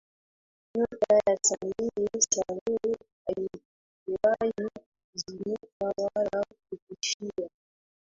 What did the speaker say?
Nyota ya Samia Suluhu haikuwahi kuzimika wala kufifia